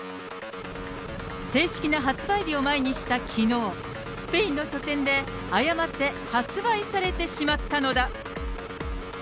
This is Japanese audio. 正式な発売日を前にしたきのう、スペインの書店で誤って発売されてしまったのだ。